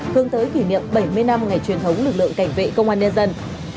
hướng tới kỷ niệm bảy mươi năm ngày truyền thống lực lượng cảnh vệ công an nhân dân